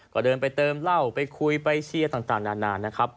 ก็เดินไปเติมเหล้าไปคุยไปเชียร์ต่างนานนะครับ